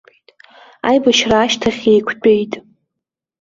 Аибашьра ашьҭахь еиқәтәеит.